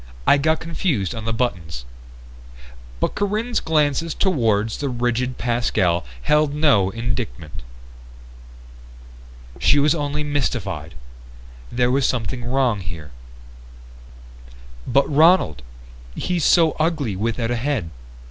I got confused on the buttons." But Corinne's glances toward the rigid Pascal held no indictment. She was only mystified. There was something wrong here. "But Ronald, he's so ugly without a head.